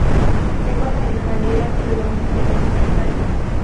Se encuentra en la Galería Colonna de Roma, Italia.